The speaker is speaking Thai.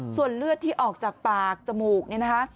ส่วนเลือดที่ออกจากปากจมูกเนี่ยนะคะ